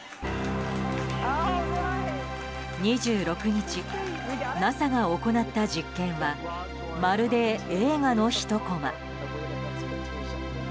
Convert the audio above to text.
２６日ＮＡＳＡが行った実験はまるで、映画のひとコマ。